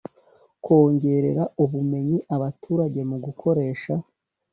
kongerera ubumenyi abaturage mu gukoresha